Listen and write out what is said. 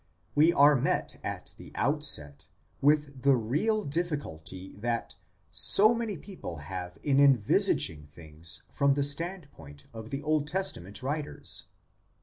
We are met at the outset with the real difficulty that so many people have in envisaging things from the standpoint of the Old Testament writers.